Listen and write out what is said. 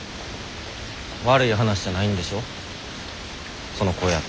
悪い話じゃないんでしょその声やと。